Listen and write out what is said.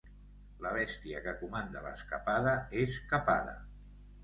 La bèstia que comanda l'escapada és capada.